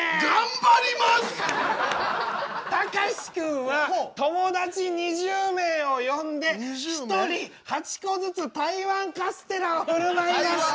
たかしくんは友達２０名を呼んで１人８個ずつ台湾カステラを振る舞いました。